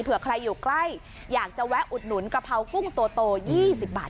เผื่อใครอยู่ใกล้อยากจะแวะอุดหนุนกะเพรากุ้งโต๒๐บาท